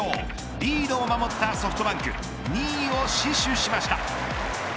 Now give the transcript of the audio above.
リードを守ったソフトバンク２位を死守しました。